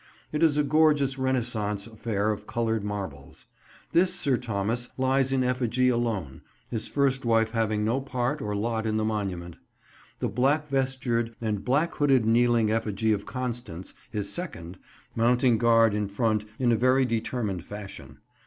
It is a gorgeous Renaissance affair of coloured marbles. This Sir Thomas lies in effigy alone, his first wife having no part or lot in the monument; the black vestured and black hooded kneeling effigy of Constance, his second, mounting guard in front in a very determined fashion.